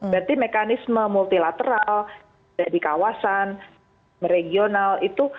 berarti mekanisme multilateral di kawasan regional itu